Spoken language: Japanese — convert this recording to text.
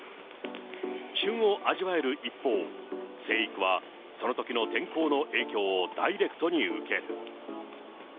旬を味わえる一方、生育はそのときの天候の影響をダイレクトに受ける。